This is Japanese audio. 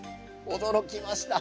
驚きました。